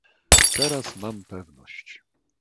"Teraz mam pewność."